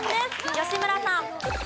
吉村さん。